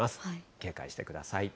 警戒してください。